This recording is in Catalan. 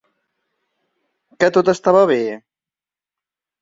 Que tot estava bé?